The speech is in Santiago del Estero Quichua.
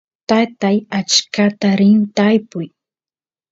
tatay achkata rin tarpuy